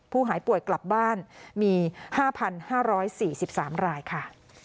หายป่วยกลับบ้านมี๕๕๔๓รายค่ะ